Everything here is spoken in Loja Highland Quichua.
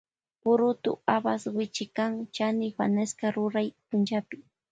Purutu habas wichikan chani fanesca ruray punllapi.